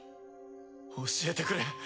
教えてくれ。